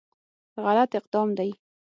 غلط اقدام دی.